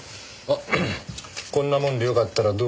あっこんなもんでよかったらどうぞ。